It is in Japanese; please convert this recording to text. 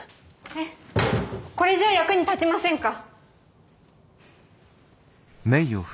えっこれじゃあ役に立ちませんか？